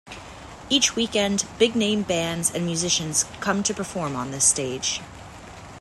Each weekend, big-name bands and musicians come to perform on this stage.